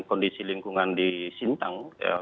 kondisi lingkungan di sintang